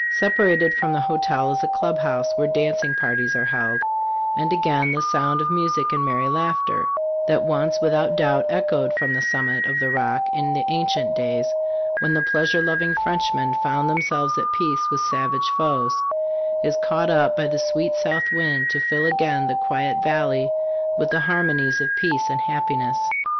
Separated from the hotel is a club house where dancing parties are held ; and again the sound of mu sic and merry laughter, that once without doubt echoed from the summit of the Rock in the ancient days when the pleasure loving Frenchmen found themselves at peace with savage foes, is caught up by the sweet south wind to fill again the quiet valley with the harmonies of peace and happiness.